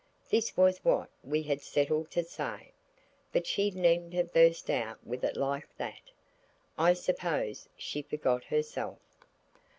This was what we had settled to say, but she needn't have burst out with it like that. I suppose she forgot herself.